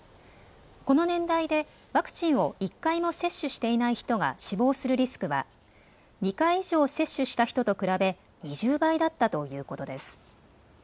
この年代でワクチンを１回も接種していない人が死亡するリスクは２回以上接種した人と比べ２０倍だったということです。